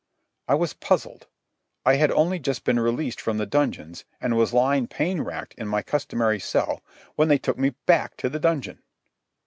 I was puzzled. I had only just been released from the dungeons, and was lying pain racked in my customary cell, when they took me back to the dungeon.